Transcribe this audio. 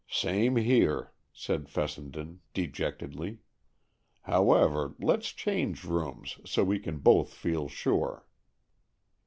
"Same here," said Fessenden dejectedly. "However, let's change rooms, so we can both feel sure."